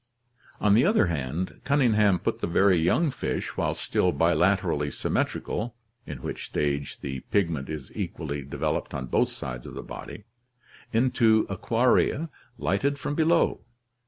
"On the other hand, Cunningham put the very young fish, while still bilaterally symmetrical (in which stage the pigment is equally developed on both sides of the body), into aquaria lighted from below.